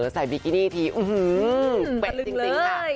ใส่บิกินี่ทีอื้อหือเป๊ะจริงค่ะ